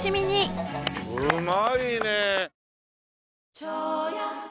うまいね！